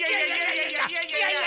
いやいやいやいや。